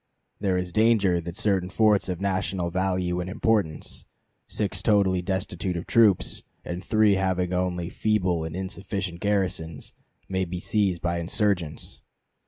There is danger that certain forts of national value and importance, six totally destitute of troops, and three having only feeble and insufficient garrisons, may be seized by insurgents.